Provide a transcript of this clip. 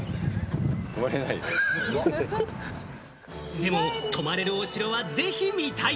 でも泊まれるお城はぜひ見たい。